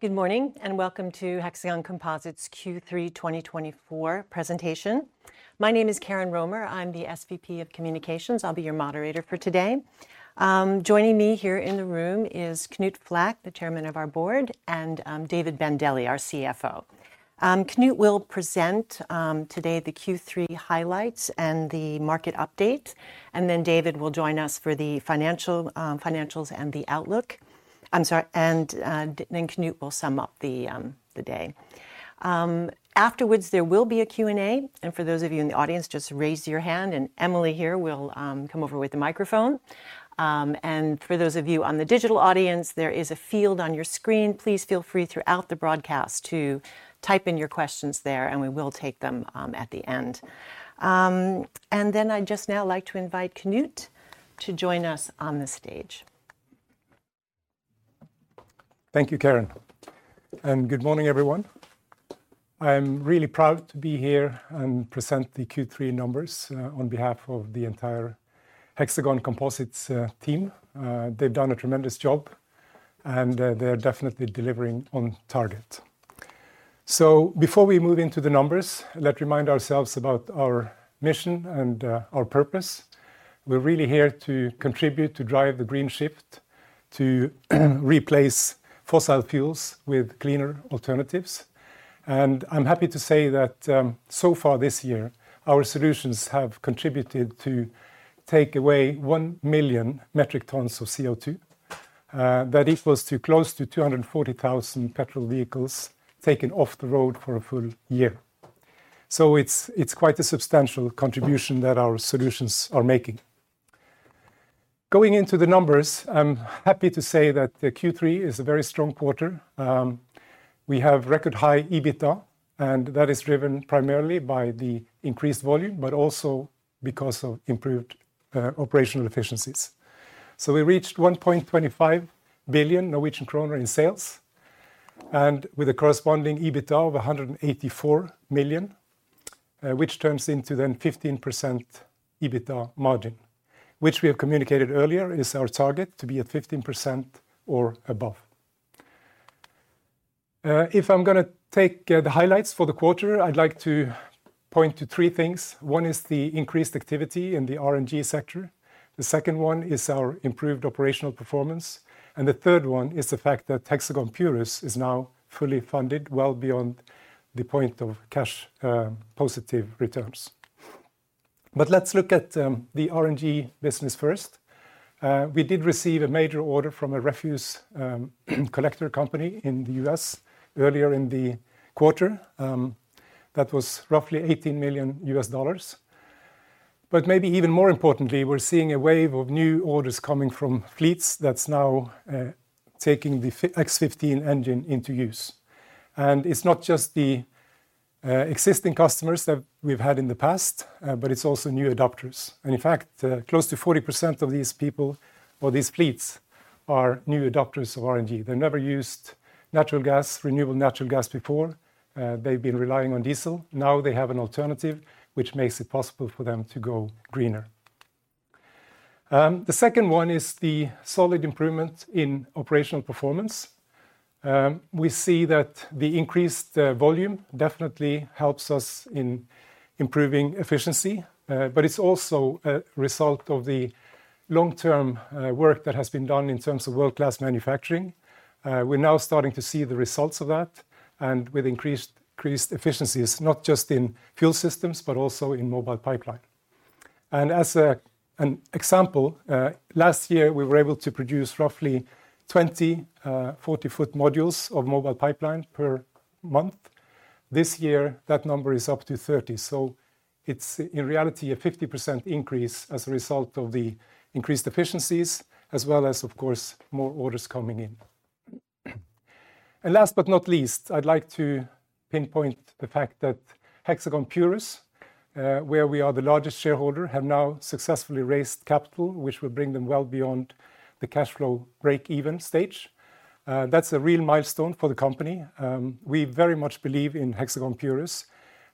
Good morning and welcome to Hexagon Composites Q3 2024 presentation. My name is Karen Romer. I'm the SVP of Communications. I'll be your moderator for today. Joining me here in the room is Knut Flakk, the chairman of our board, and David Bandele, our CFO. Knut will present today the Q3 highlights and the market update, and then David will join us for the financials and the outlook. I'm sorry, and then Knut will sum up the day. Afterwards, there will be a Q&A, and for those of you in the audience, just raise your hand, and Emily here will come over with the microphone, and for those of you on the digital audience, there is a field on your screen. Please feel free throughout the broadcast to type in your questions there, and we will take them at the end. And then I'd just now like to invite Knut to join us on the stage. Thank you, Karen, and good morning, everyone. I'm really proud to be here and present the Q3 numbers on behalf of the entire Hexagon Composites team. They've done a tremendous job, and they're definitely delivering on target. So before we move into the numbers, let's remind ourselves about our mission and our purpose. We're really here to contribute to drive the green shift, to replace fossil fuels with cleaner alternatives, and I'm happy to say that so far this year, our solutions have contributed to take away 1 million metric tons of CO2. That equals close to 240,000 gasoline vehicles taken off the road for a full year, so it's quite a substantial contribution that our solutions are making. Going into the numbers, I'm happy to say that Q3 is a very strong quarter. We have record high EBITDA, and that is driven primarily by the increased volume, but also because of improved operational efficiencies. So we reached 1.25 billion Norwegian kroner in sales, and with a corresponding EBITDA of 184 million NOK, which turns into then 15% EBITDA margin, which we have communicated earlier is our target to be at 15% or above. If I'm going to take the highlights for the quarter, I'd like to point to three things. One is the increased activity in the RNG sector. The second one is our improved operational performance. And the third one is the fact that Hexagon Purus is now fully funded, well beyond the point of cash positive returns. But let's look at the RNG business first. We did receive a major order from a refuse collector company in the U.S. earlier in the quarter. That was roughly $18 million. But maybe even more importantly, we're seeing a wave of new orders coming from fleets that's now taking the X15 engine into use. It's not just the existing customers that we've had in the past, but it's also new adopters. In fact, close to 40% of these people or these fleets are new adopters of RNG. They've never used natural gas, renewable natural gas before. They've been relying on diesel. Now they have an alternative, which makes it possible for them to go greener. The second one is the solid improvement in operational performance. We see that the increased volume definitely helps us in improving efficiency, but it's also a result of the long-term work that has been done in terms of world-class manufacturing. We're now starting to see the results of that, and with increased efficiencies, not just in fuel systems, but also in Mobile Pipeline. As an example, last year we were able to produce roughly 20 40-foot modules of Mobile Pipeline per month. This year that number is up to 30, so it's in reality a 50% increase as a result of the increased efficiencies, as well as, of course, more orders coming in. Last but not least, I'd like to pinpoint the fact that Hexagon Purus, where we are the largest shareholder, have now successfully raised capital, which will bring them well beyond the cash flow break-even stage. That's a real milestone for the company. We very much believe in Hexagon Purus.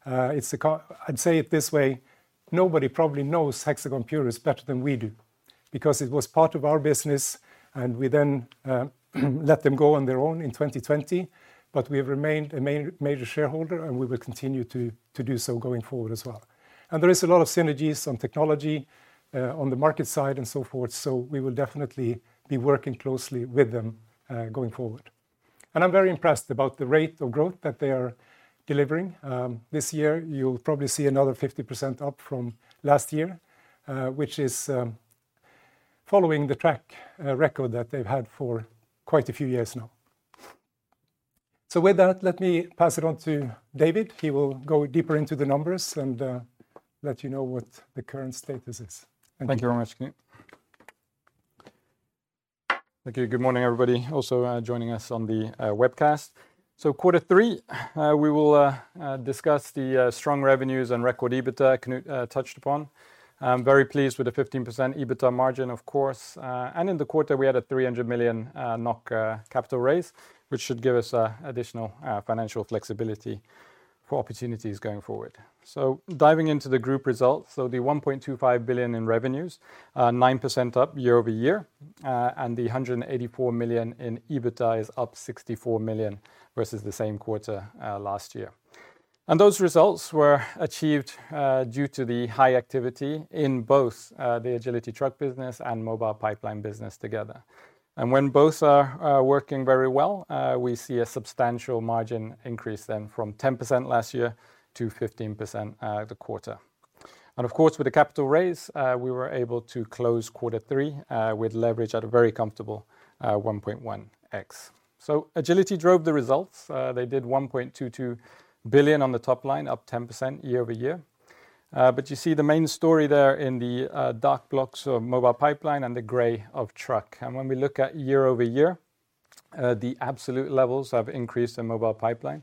I'd say it this way: nobody probably knows Hexagon Purus better than we do, because it was part of our business, and we then let them go on their own in 2020. But we have remained a major shareholder, and we will continue to do so going forward as well. And there is a lot of synergies on technology, on the market side, and so forth. So we will definitely be working closely with them going forward. And I'm very impressed about the rate of growth that they are delivering. This year you'll probably see another 50% up from last year, which is following the track record that they've had for quite a few years now. So with that, let me pass it on to David. He will go deeper into the numbers and let you know what the current status is. Thank you very much, Knut. Thank you. Good morning, everybody, also joining us on the webcast. Quarter three, we will discuss the strong revenues and record EBITDA Knut touched upon. I'm very pleased with the 15% EBITDA margin, of course. In the quarter, we had a 300 million NOK capital raise, which should give us additional financial flexibility for opportunities going forward. Diving into the group results, the 1.25 billion in revenues, 9% up year over year, and the 184 million in EBITDA is up 64 million versus the same quarter last year. Those results were achieved due to the high activity in both the Agility truck business and Mobile Pipeline business together. When both are working very well, we see a substantial margin increase then from 10% last year to 15% the quarter. Of course, with the capital raise, we were able to close quarter three with leverage at a very comfortable 1.1x. So Agility drove the results. They did 1.22 billion on the top line, up 10% year over year. But you see the main story there in the dark blocks of Mobile Pipeline and the gray of truck. And when we look at year over year, the absolute levels have increased in Mobile Pipeline,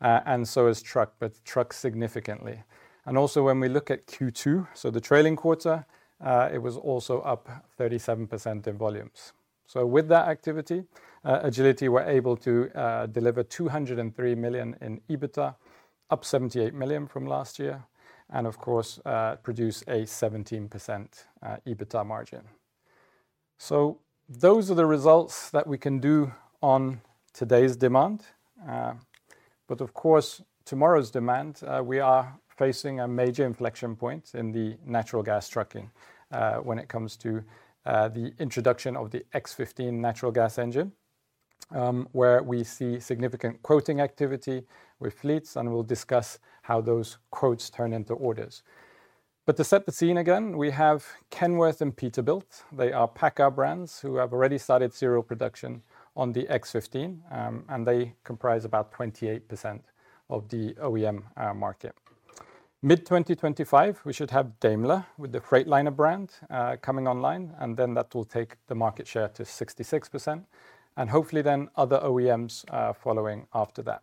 and so has truck, but truck significantly. And also when we look at Q2, so the trailing quarter, it was also up 37% in volumes. So with that activity, Agility were able to deliver 203 million in EBITDA, up 78 million from last year, and of course, produce a 17% EBITDA margin. So those are the results that we can do on today's demand. But of course, tomorrow's demand, we are facing a major inflection point in the natural gas trucking when it comes to the introduction of the X15 natural gas engine, where we see significant quoting activity with fleets, and we'll discuss how those quotes turn into orders. But to set the scene again, we have Kenworth and Peterbilt. They are PACCAR brands who have already started serial production on the X15, and they comprise about 28% of the OEM market. Mid 2025, we should have Daimler with the Freightliner brand coming online, and then that will take the market share to 66%, and hopefully then other OEMs following after that.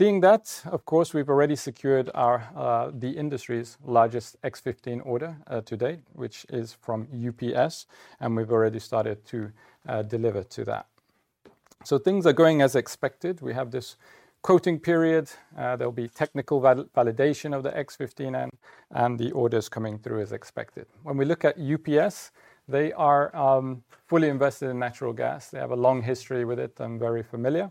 Being that, of course, we've already secured the industry's largest X15 order to date, which is from UPS, and we've already started to deliver to that. So things are going as expected. We have this quoting period. There'll be technical validation of the X15, and the orders coming through as expected. When we look at UPS, they are fully invested in natural gas. They have a long history with it and very familiar.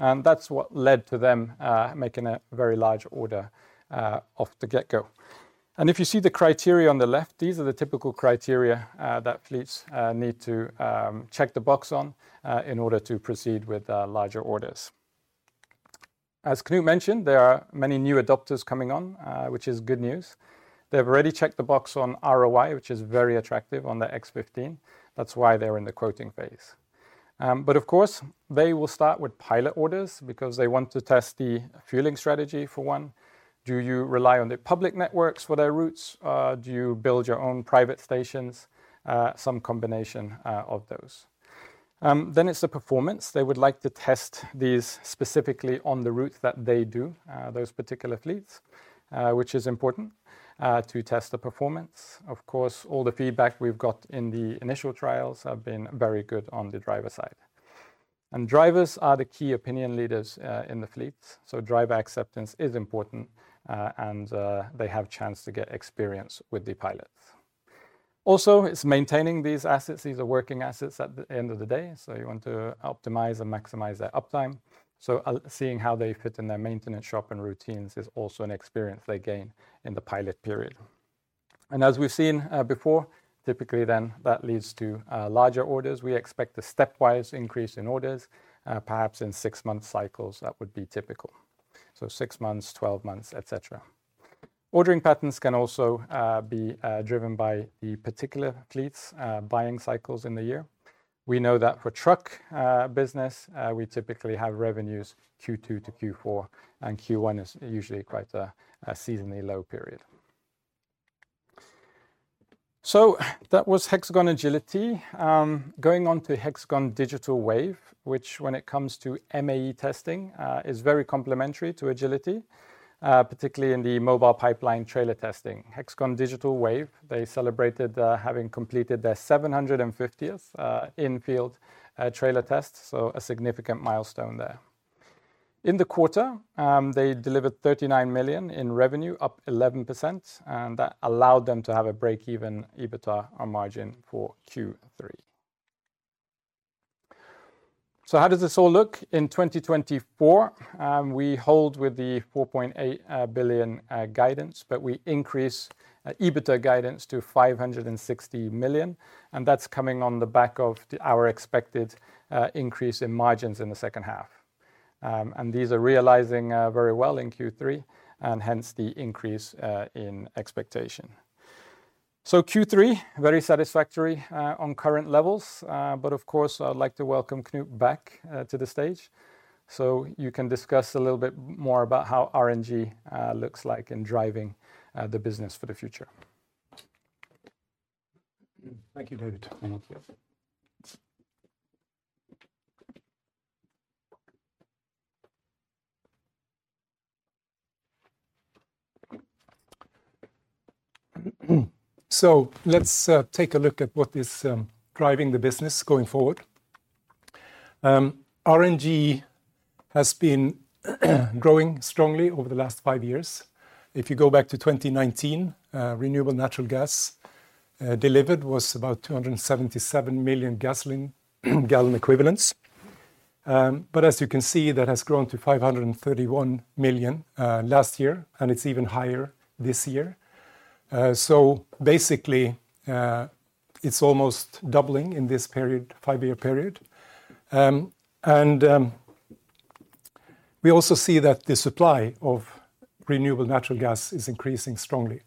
And that's what led to them making a very large order from the get-go. And if you see the criteria on the left, these are the typical criteria that fleets need to check the box on in order to proceed with larger orders. As Knut mentioned, there are many new adopters coming on, which is good news. They've already checked the box on ROI, which is very attractive on the X15. That's why they're in the quoting phase. But of course, they will start with pilot orders because they want to test the fueling strategy for one. Do you rely on the public networks for their routes? Do you build your own private stations? Some combination of those. Then it's the performance. They would like to test these specifically on the route that they do, those particular fleets, which is important to test the performance. Of course, all the feedback we've got in the initial trials have been very good on the driver side, and drivers are the key opinion leaders in the fleets, so driver acceptance is important, and they have a chance to get experience with the pilots. Also, it's maintaining these assets. These are working assets at the end of the day, so you want to optimize and maximize their uptime, so seeing how they fit in their maintenance shop and routines is also an experience they gain in the pilot period, and as we've seen before, typically then that leads to larger orders. We expect a stepwise increase in orders, perhaps in six-month cycles. That would be typical. So six months, 12 months, et cetera. Ordering patterns can also be driven by the particular fleet's buying cycles in the year. We know that for truck business, we typically have revenues Q2 to Q4, and Q1 is usually quite a seasonally low period. So that was Hexagon Agility. Going on to Hexagon Digital Wave, which when it comes to MAE testing is very complementary to Agility, particularly in the Mobile Pipeline trailer testing. Hexagon Digital Wave, they celebrated having completed their 750th in-field trailer test, so a significant milestone there. In the quarter, they delivered 39 million in revenue, up 11%, and that allowed them to have a break-even EBITDA margin for Q3. So how does this all look in 2024? We hold with the 4.8 billion guidance, but we increase EBITDA guidance to 560 million. And that's coming on the back of our expected increase in margins in the second half. And these are realizing very well in Q3, and hence the increase in expectation. So Q3, very satisfactory on current levels. But of course, I'd like to welcome Knut back to the stage so you can discuss a little bit more about how RNG looks like in driving the business for the future. Thank you, David. So let's take a look at what is driving the business going forward. RNG has been growing strongly over the last five years. If you go back to 2019, renewable natural gas delivered was about 277 million gasoline gallon equivalents. But as you can see, that has grown to 531 million last year, and it's even higher this year. So basically, it's almost doubling in this period, five-year period. And we also see that the supply of renewable natural gas is increasing strongly.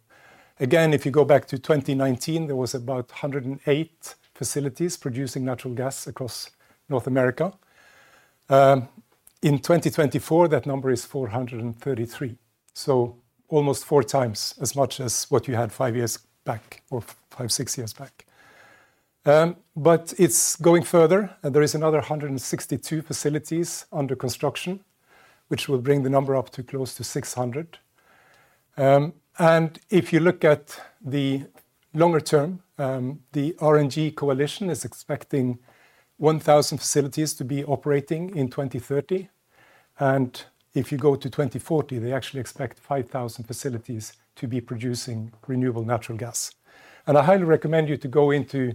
Again, if you go back to 2019, there was about 108 facilities producing natural gas across North America. In 2024, that number is 433. So almost four times as much as what you had five years back or five, six years back. But it's going further. There is another 162 facilities under construction, which will bring the number up to close to 600. If you look at the longer term, the RNG Coalition is expecting 1,000 facilities to be operating in 2030. If you go to 2040, they actually expect 5,000 facilities to be producing renewable natural gas. I highly recommend you to go into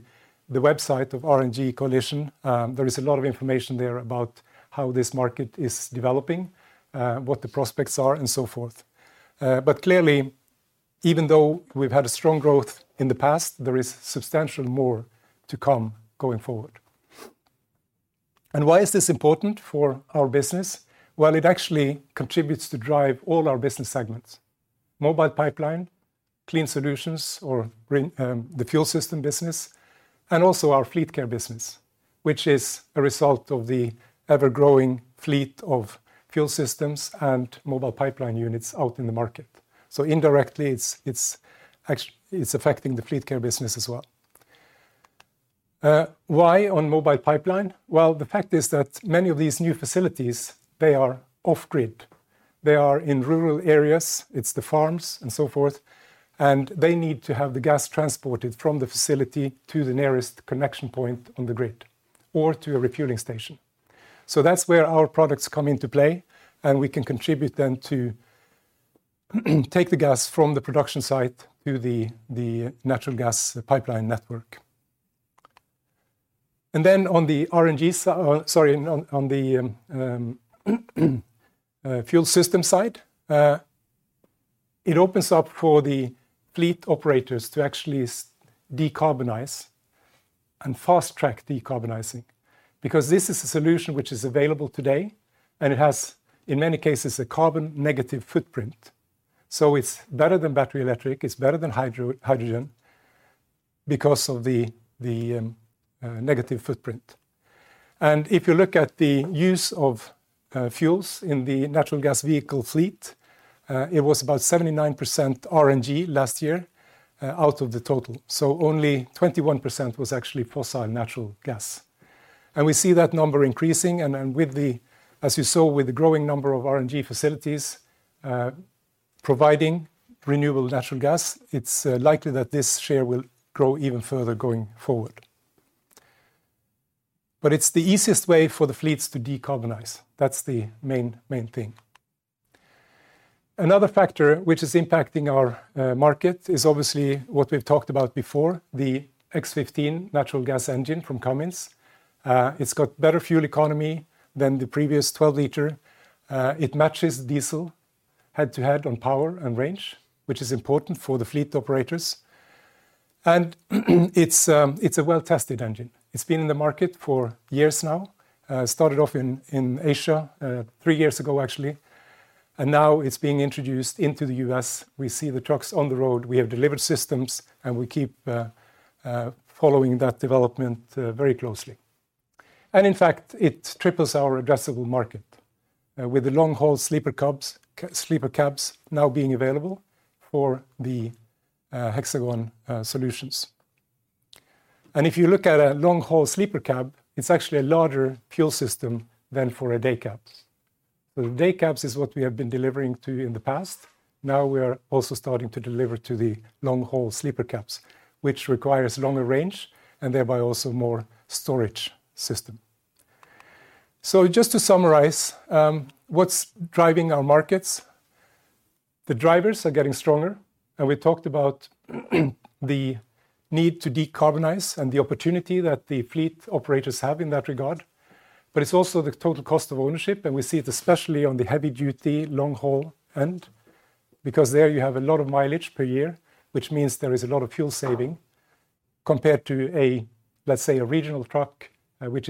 the website of the RNG Coalition. There is a lot of information there about how this market is developing, what the prospects are, and so forth. Clearly, even though we've had a strong growth in the past, there is substantially more to come going forward. Why is this important for our business? It actually contributes to drive all our business segments: Mobile Pipeline, clean solutions, or the fuel system business, and also our Fleet Care business, which is a result of the ever-growing fleet of fuel systems and Mobile Pipeline units out in the market. Indirectly, it's affecting the Fleet Care business as well. Why on Mobile Pipeline? The fact is that many of these new facilities, they are off-grid. They are in rural areas. It's the farms and so forth. They need to have the gas transported from the facility to the nearest connection point on the grid or to a refueling station. So that's where our products come into play, and we can contribute then to take the gas from the production site to the natural gas pipeline network. Then on the RNG, sorry, on the fuel system side, it opens up for the fleet operators to actually decarbonize and fast-track decarbonizing, because this is a solution which is available today, and it has in many cases a carbon negative footprint. It's better than battery electric. It's better than hydrogen because of the negative footprint. If you look at the use of fuels in the natural gas vehicle fleet, it was about 79% RNG last year out of the total. So only 21% was actually fossil natural gas. And we see that number increasing. And as you saw with the growing number of RNG facilities providing renewable natural gas, it's likely that this share will grow even further going forward. But it's the easiest way for the fleets to decarbonize. That's the main thing. Another factor which is impacting our market is obviously what we've talked about before, the X15 natural gas engine from Cummins. It's got better fuel economy than the previous 12-liter. It matches diesel head-to-head on power and range, which is important for the fleet operators. And it's a well-tested engine. It's been in the market for years now. Started off in Asia three years ago, actually. Now it's being introduced into the U.S. We see the trucks on the road. We have delivered systems, and we keep following that development very closely. In fact, it triples our addressable market with the long-haul sleeper cabs now being available for the Hexagon solutions. If you look at a long-haul sleeper cab, it's actually a larger fuel system than for a day cab. So the day cabs is what we have been delivering to in the past. Now we are also starting to deliver to the long-haul sleeper cabs, which requires longer range and thereby also more storage system. Just to summarize, what's driving our markets? The drivers are getting stronger. We talked about the need to decarbonize and the opportunity that the fleet operators have in that regard. But it's also the total cost of ownership. And we see it especially on the heavy-duty long-haul end, because there you have a lot of mileage per year, which means there is a lot of fuel saving compared to, let's say, a regional truck, which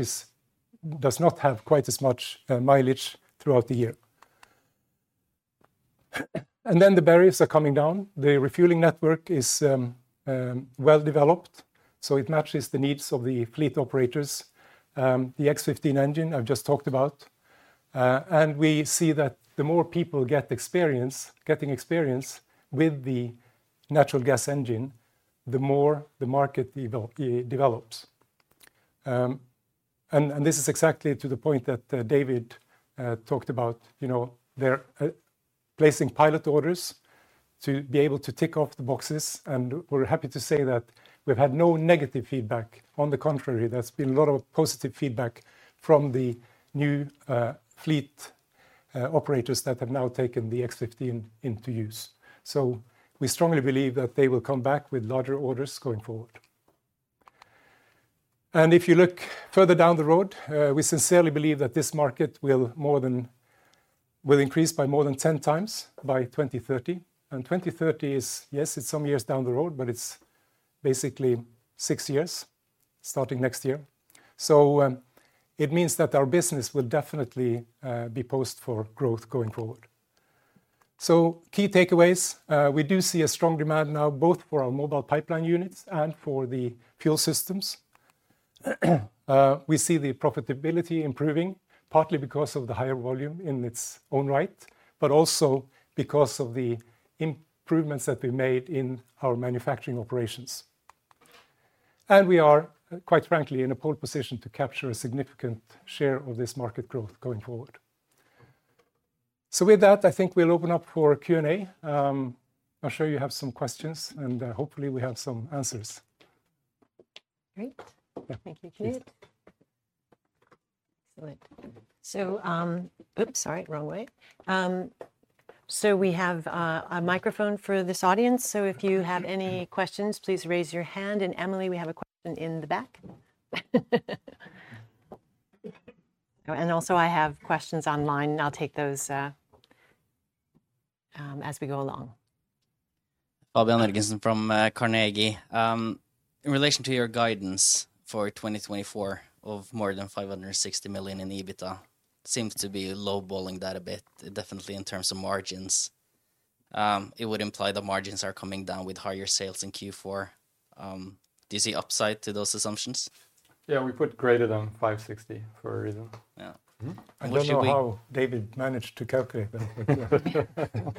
does not have quite as much mileage throughout the year. And then the barriers are coming down. The refueling network is well developed, so it matches the needs of the fleet operators, the X15 engine I've just talked about. And we see that the more people get experience, getting experience with the natural gas engine, the more the market develops. And this is exactly to the point that David talked about, placing pilot orders to be able to tick off the boxes. And we're happy to say that we've had no negative feedback. On the contrary, there's been a lot of positive feedback from the new fleet operators that have now taken the X15 into use. So we strongly believe that they will come back with larger orders going forward. And if you look further down the road, we sincerely believe that this market will increase by more than 10 times by 2030. And 2030 is, yes, it's some years down the road, but it's basically six years starting next year. So it means that our business will definitely be poised for growth going forward. So key takeaways, we do see a strong demand now both for our Mobile Pipeline units and for the fuel systems. We see the profitability improving, partly because of the higher volume in its own right, but also because of the improvements that we've made in our manufacturing operations. We are, quite frankly, in a pole position to capture a significant share of this market growth going forward. With that, I think we'll open up for Q&A. I'm sure you have some questions, and hopefully we have some answers. Great. Thank you, Knut. Excellent, so oops, sorry, wrong way, so we have a microphone for this audience, so if you have any questions, please raise your hand, and Emily, we have a question in the back, and also, I have questions online. I'll take those as we go along. Fabian Jørgensen from Carnegie. In relation to your guidance for 2024 of more than 560 million in EBITDA, seems to be low-balling that a bit, definitely in terms of margins. It would imply that margins are coming down with higher sales in Q4. Do you see upside to those assumptions? Yeah, we put greater than 560 for a reason. I don't know how David managed to calculate that.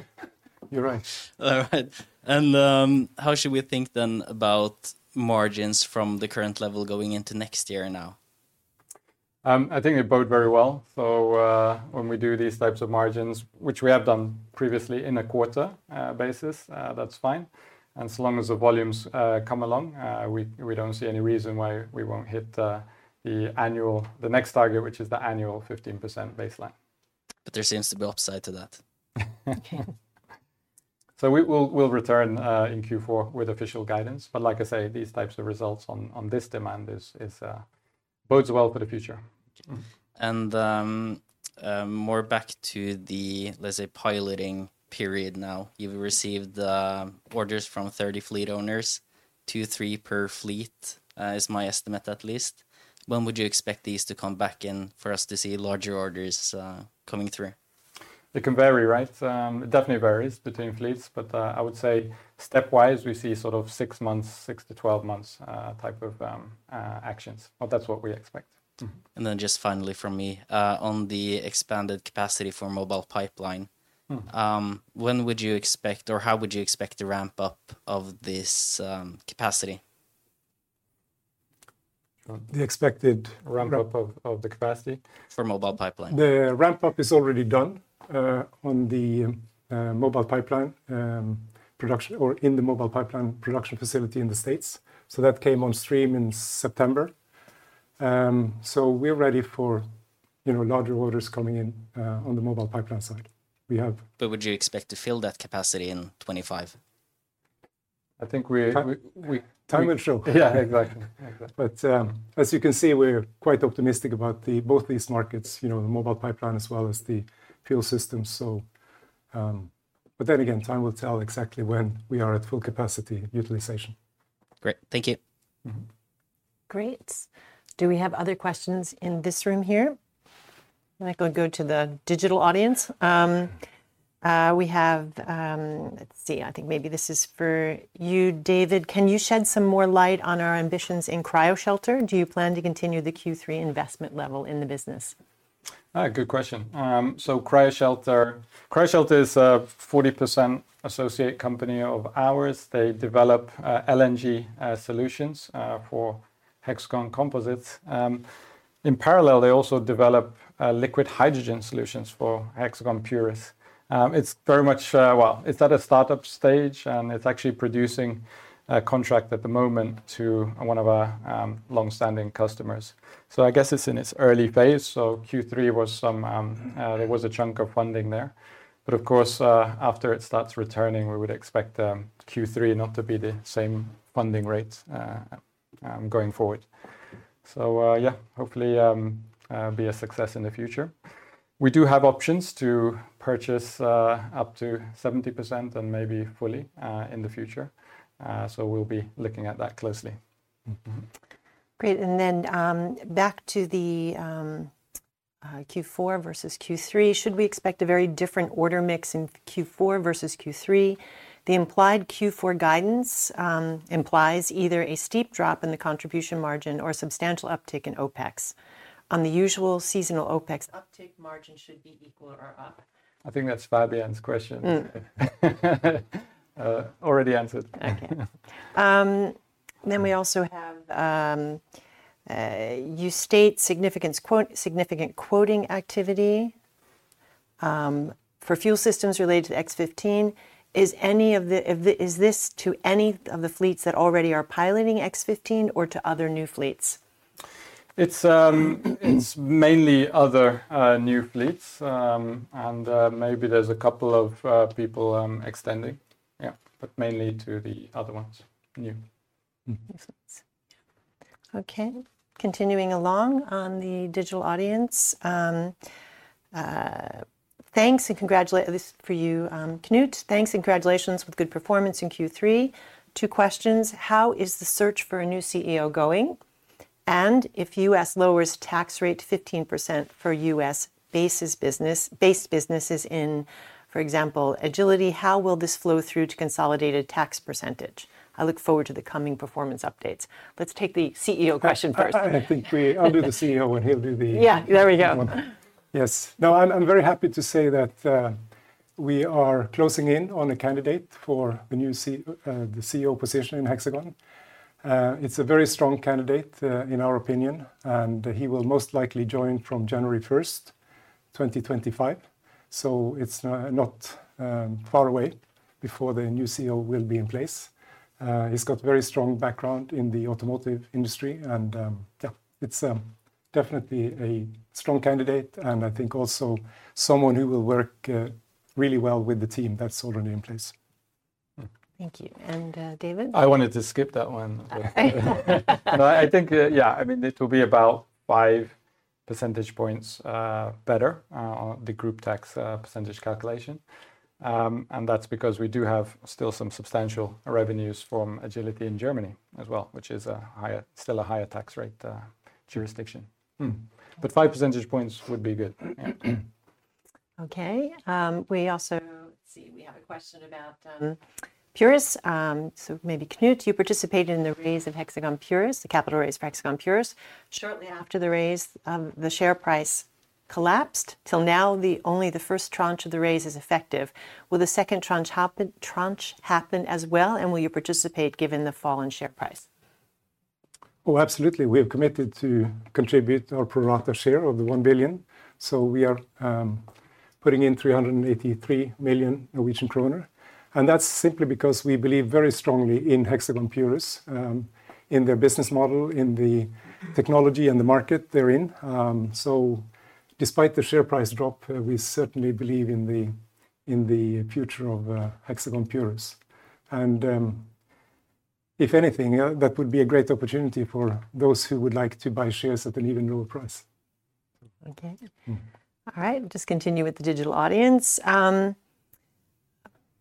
You're right. All right, and how should we think then about margins from the current level going into next year now? I think they bode very well. So when we do these types of margins, which we have done previously in a quarter basis, that's fine. And so long as the volumes come along, we don't see any reason why we won't hit the next target, which is the annual 15% baseline. But there seems to be upside to that. So we'll return in Q4 with official guidance. But like I say, these types of results on this demand bodes well for the future. And more back to the, let's say, piloting period now. You've received orders from 30 fleet owners, two, three per fleet is my estimate at least. When would you expect these to come back in for us to see larger orders coming through? It can vary, right? It definitely varies between fleets. But I would say stepwise, we see sort of six months, six to 12 months type of actions. But that's what we expect. And then just finally from me, on the expanded capacity for Mobile Pipeline, when would you expect or how would you expect the ramp-up of this capacity? The expected ramp-up of the capacity? For Mobile Pipeline. The ramp-up is already done on the Mobile Pipeline production or in the Mobile Pipeline production facility in the States. So that came on stream in September. So we're ready for larger orders coming in on the Mobile Pipeline side. Would you expect to fill that capacity in 2025? I think we. Time. Time will show. Yeah, exactly. But as you can see, we're quite optimistic about both these markets, the Mobile Pipeline as well as the Fuel Systems. But then again, time will tell exactly when we are at full capacity utilization. Great. Thank you. Great. Do we have other questions in this room here? I'm going to go to the digital audience. We have, let's see, I think maybe this is for you, David. Can you shed some more light on our ambitions in CryoShelter? Do you plan to continue the Q3 investment level in the business? Good question. So CryoShelter is a 40% associate company of ours. They develop LNG solutions for Hexagon Composites. In parallel, they also develop liquid hydrogen solutions for Hexagon Purus. It's very much, well, it's at a startup stage, and it's actually producing a contract at the moment to one of our long-standing customers. So I guess it's in its early phase. So Q3 was some, there was a chunk of funding there. But of course, after it starts returning, we would expect Q3 not to be the same funding rate going forward. So yeah, hopefully be a success in the future. We do have options to purchase up to 70% and maybe fully in the future. So we'll be looking at that closely. Great. And then back to the Q4 versus Q3, should we expect a very different order mix in Q4 versus Q3? The implied Q4 guidance implies either a steep drop in the contribution margin or substantial uptick in OpEx. On the usual seasonal OpEx, uptake margin should be equal or up. I think that's Fabian's question. Already answered. Okay. Then we also have you state significant quoting activity for fuel systems related to X15. Is this to any of the fleets that already are piloting X15 or to other new fleets? It's mainly other new fleets, and maybe there's a couple of people extending. Yeah, but mainly to the other ones, new. Excellent. Okay. Continuing along on the digital audience, thanks and congratulations for you, Knut. Thanks and congratulations with good performance in Q3. Two questions. How is the search for a new CEO going? And if U.S. lowers tax rate 15% for U.S.-based businesses in, for example, Agility, how will this flow through to consolidated tax percentage? I look forward to the coming performance updates. Let's take the CEO question first. I think I'll do the CEO and he'll do the. Yeah, there we go. Yes. No, I'm very happy to say that we are closing in on a candidate for the new CEO position in Hexagon. It's a very strong candidate in our opinion, and he will most likely join from January 1st, 2025. So it's not far away before the new CEO will be in place. He's got a very strong background in the automotive industry. And yeah, it's definitely a strong candidate. And I think also someone who will work really well with the team that's already in place. Thank you. And David? I wanted to skip that one. I think, yeah, I mean, it will be about five percentage points better on the group tax percentage calculation. And that's because we do have still some substantial revenues from Agility in Germany as well, which is still a higher tax rate jurisdiction. But five percentage points would be good. Okay. Let's see. We have a question about Purus. So maybe Knut, you participated in the raise of Hexagon Purus, the capital raise for Hexagon Purus. Shortly after the raise, the share price collapsed. Till now, only the first tranche of the raise is effective. Will the second tranche happen as well, and will you participate given the fall in share price? Oh, absolutely. We have committed to contribute our pro-rata share of the 1 billion. So we are putting in 383 million Norwegian kroner. And that's simply because we believe very strongly in Hexagon Purus, in their business model, in the technology and the market they're in. So despite the share price drop, we certainly believe in the future of Hexagon Purus. And if anything, that would be a great opportunity for those who would like to buy shares at an even lower price. Okay. All right. We'll just continue with the digital audience. Knut, you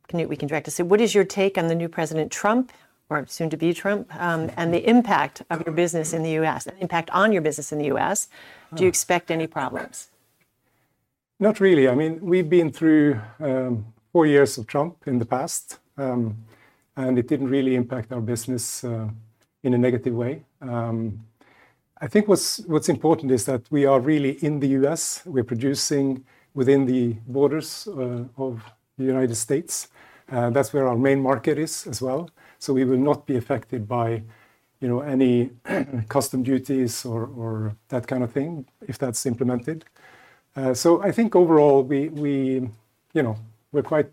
can direct us. So what is your take on the new President Trump, or soon to be Trump, and the impact of your business in the U.S., the impact on your business in the U.S.? Do you expect any problems? Not really. I mean, we've been through four years of Trump in the past, and it didn't really impact our business in a negative way. I think what's important is that we are really in the U.S. We're producing within the borders of the United States. That's where our main market is as well. So we will not be affected by any customs duties or that kind of thing if that's implemented. So I think overall, we're quite,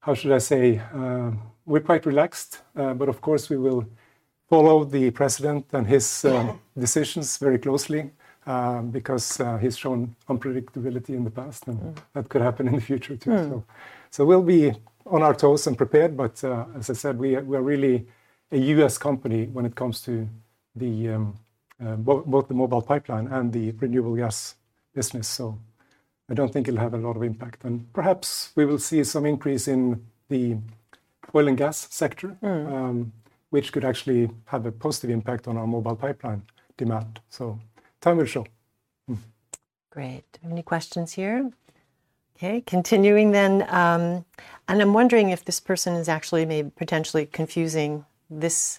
how should I say, we're quite relaxed. But of course, we will follow the president and his decisions very closely because he's shown unpredictability in the past, and that could happen in the future too. So we'll be on our toes and prepared. But as I said, we are really a U.S. company when it comes to both the Mobile Pipeline and the renewable gas business. So I don't think it'll have a lot of impact. And perhaps we will see some increase in the oil and gas sector, which could actually have a positive impact on our Mobile Pipeline demand. So time will show. Great. Any questions here? Okay. Continuing then. And I'm wondering if this person is actually maybe potentially confusing this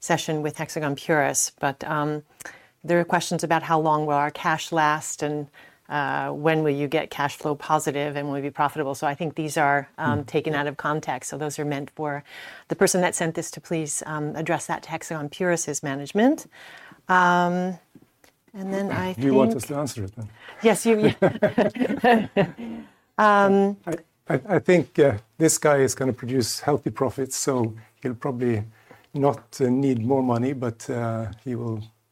session with Hexagon Purus. But there are questions about how long will our cash last and when will you get cash flow positive and will you be profitable. So I think these are taken out of context. So those are meant for the person that sent this to please address that to Hexagon Purus's management. And then I think. You want us to answer it then. Yes. I think this guy is going to produce healthy profits, so he'll probably not need more money, but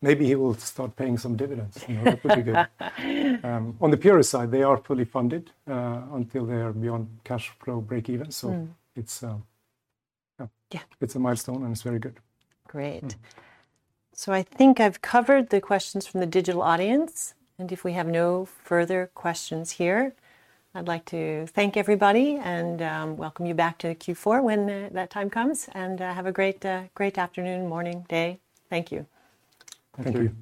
maybe he will start paying some dividends. That would be good. On the Purus side, they are fully funded until they are beyond cash flow breakeven. So it's a milestone, and it's very good. Great. So I think I've covered the questions from the digital audience. And if we have no further questions here, I'd like to thank everybody and welcome you back to Q4 when that time comes. And have a great afternoon, morning, day. Thank you. Thank you.